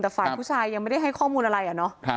แต่ฝ่ายผู้ชายยังไม่ได้ให้ข้อมูลอะไรอะเนาะ